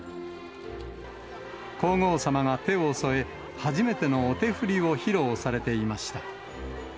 皇后さまが手を添え、初めてのお手振りを披露されていました。